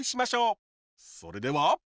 それでは。